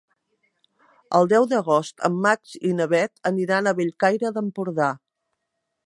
El deu d'agost en Max i na Bet aniran a Bellcaire d'Empordà.